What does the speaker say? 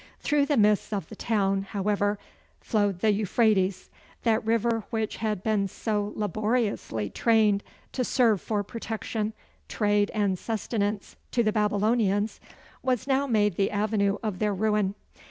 Through the midst of the town, however, flowed the Euphrates. That river which had been so laboriously trained to serve for protection, trade and sustenance to the Babylonians, was now made the avenue of their ruin.